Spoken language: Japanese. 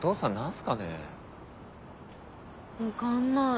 分かんない。